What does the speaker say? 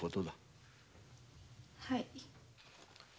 はい。